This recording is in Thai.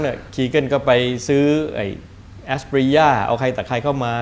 คีเกิ้ลก็ไปซื้อแอสปริญญาเอาใครต่อใครเข้ามา